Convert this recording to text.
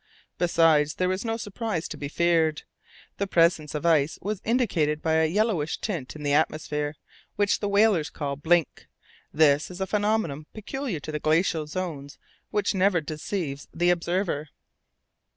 Besides, there was no surprise to be feared. The presence of ice was indicated by a yellowish tint in the atmosphere, which the whalers called "blink." This is a phenomenon peculiar to the glacial zones which never deceives the observer.